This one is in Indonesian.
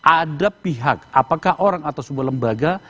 ada pihak apakah orang atau sebuah lembaga